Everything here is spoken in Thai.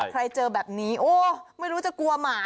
เจอแบบนี้โอ้ไม่รู้จะกลัวหมา